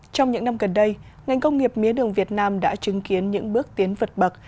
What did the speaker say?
trong những năm gần đây ngành công nghiệp mía đường việt nam đã chứng kiến những bước tiến vượt bậc